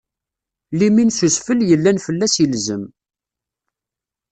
Limin s usfel yellan fell-as ilzem.